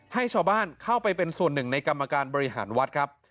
ให้ชาวบ้านเข้าไปเป็นส่วนหนึ่งในกรรมการบริหารวัดครับ